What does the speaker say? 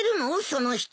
その人。